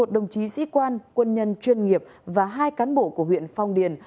một mươi một đồng chí sĩ quan quân nhân chuyên nghiệp và hai cán bộ của huyện phong điền